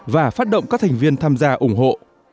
và phát động các thành viên tham gia ủng hộ